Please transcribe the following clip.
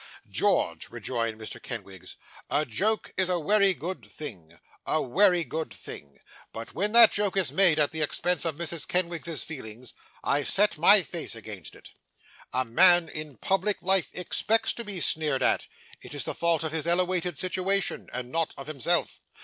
'George,' rejoined Mr. Kenwigs, 'a joke is a wery good thing a wery good thing but when that joke is made at the expense of Mrs. Kenwigs's feelings, I set my face against it. A man in public life expects to be sneered at it is the fault of his elewated sitiwation, and not of himself.